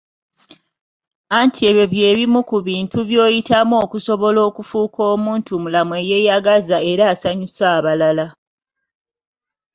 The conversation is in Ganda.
Anti ebyo bye bimu ku bintu by'oyitamu okusobala okufuuka omuntumulamu eyeeyagaza era asanyusa abalala.